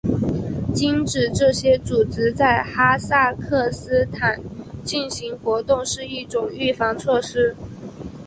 禁止这些组织在哈萨克斯坦进行活动是一种预防措施。